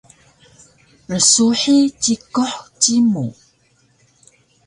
Rsuhi cikuh cimu